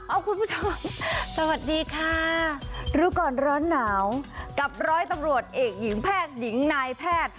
เอาคุณผู้ชมสวัสดีค่ะรู้ก่อนร้อนหนาวกับร้อยตำรวจเอกหญิงแพทย์หญิงนายแพทย์